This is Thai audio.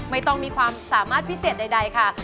ไม่ต้องมีความสามารถพิเศษใดค่ะ